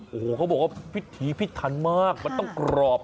โอ้โหเขาบอกว่าพิถีพิษทันมากมันต้องกรอบ